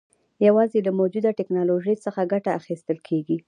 یوازې له موجوده ټکنالوژۍ څخه ګټه اخیستل کېږي.